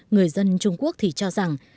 người dân trung quốc thì cho rằng